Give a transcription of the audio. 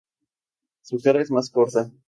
Su cara es más corta.